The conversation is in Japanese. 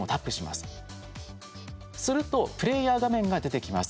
するとプレーヤー画面が出てきます。